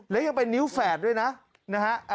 และยังเป็นนิ้วแฝดด้วยนะนะฮะ